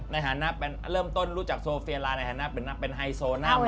ในฐานะเป็นเริ่มต้นรู้จักโซเฟียลาในฐานะเป็นไฮโซนัม